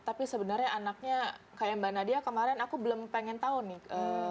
tapi sebenarnya anaknya kayak mbak nadia kemarin aku belum pengen tahu nih